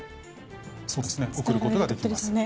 そうですね送ることができます。